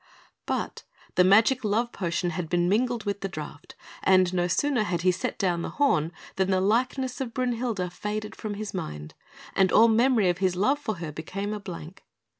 But the magic love potion had been mingled with the draught, and no sooner had he set down the horn than the likeness of Brünhilde faded from his mind, and all memory of his love for her became a blank.